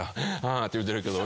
「あ」って言うてるけど。